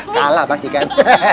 kalah pasti kan